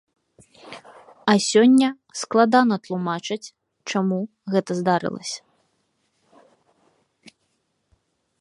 А сёння складна тлумачаць, чаму гэта здарылася.